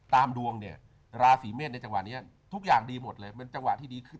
ตามดวงราศีเมศในจังหวะนี้ทุกอย่างดีหมดเลย